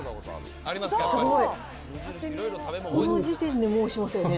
すごい、この時点でもうしますよね。